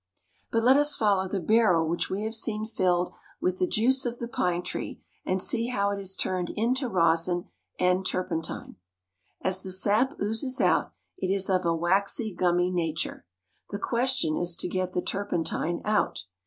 But let us follow the barrel which we have seen filled with the juice of the pine tree, and see how it is turned into rosin and turpentine. As the sap oozes out it is of a waxy, gummy nature. The question is to get the turpen tine out.